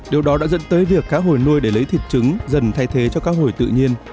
điều đó đã dẫn tới việc cá hồi nuôi để lấy thịt trứng dần thay thế cho cá hồi tự nhiên